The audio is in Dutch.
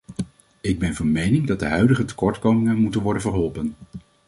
Ik ben van mening dat de huidige tekortkomingen moeten worden verholpen.